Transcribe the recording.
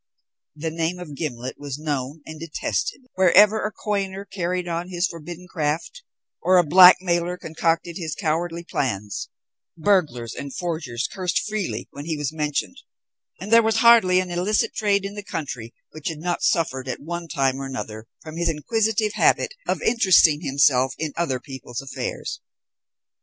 The name of Gimblet was known and detested wherever a coiner carried on his forbidden craft, or a blackmailer concocted his cowardly plans; burglars and forgers cursed freely when he was mentioned, and there was hardly an illicit trade in the country which had not suffered at one time or another from his inquisitive habit of interesting himself in other people's affairs.